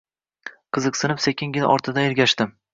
Qiziqsinib, sekingina ortidan ergashdim.